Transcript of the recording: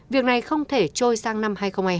việc này không thể trôi sang năm hai nghìn hai mươi